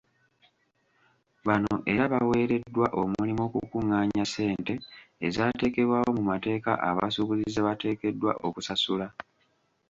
Bano era baweereddwa omulimu okukungaanya ssente ezaateekebwawo mu mateeka abasuubuzi ze bateekeddwa okusasula.